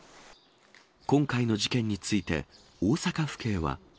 今回の事件について、大阪府警は。